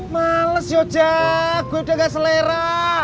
males jack gue udah gak selera